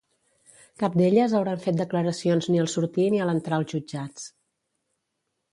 Cap d'elles hauran fet declaracions ni al sortir ni a l'entrar als jutjats.